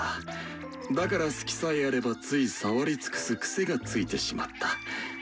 だから隙さえあればつい触り尽くす癖がついてしまった。